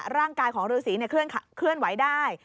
ร่างกายของฤษีเคลื่อนไหวได้